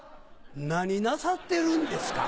何なさってるんですか？